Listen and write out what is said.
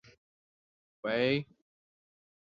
后者是后发座的一个旋涡星系。